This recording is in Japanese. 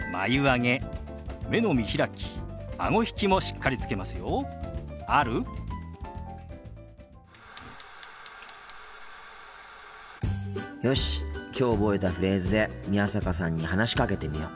心の声よしきょう覚えたフレーズで宮坂さんに話しかけてみよう。